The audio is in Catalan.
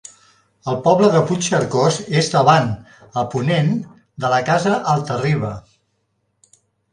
El poble de Puigcercós és davant, a ponent, de la Casa Alta-riba.